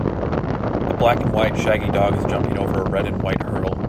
A black and white shaggy dog is jumping over a red and white hurdle.